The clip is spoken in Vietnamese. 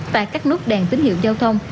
và các nút đèn tín hiệu giao thông